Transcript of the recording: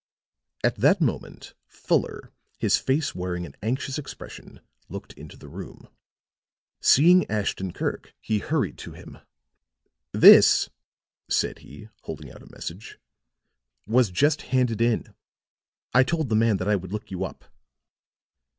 At that moment Fuller, his face wearing an anxious expression, looked into the room. Seeing Ashton Kirk he hurried to him. "This," said he, holding out a message, "was just handed in. I told the man that I would look you up."